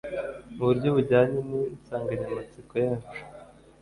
muburyo bujyanye ninsanganyamatsiko yacu